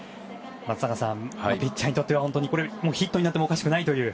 松坂さん、ピッチャーにとってはヒットになってもおかしくないという。